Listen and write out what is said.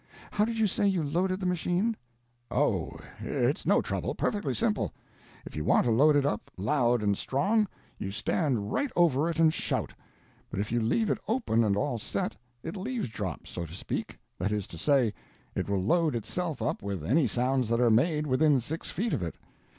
How did you say you loaded the machine?" "O, it's no trouble—perfectly simple. If you want to load it up loud and strong, you stand right over it and shout. But if you leave it open and all set, it'll eavesdrop, so to speak—that is to say, it will load itself up with any sounds that are made within six feet of it.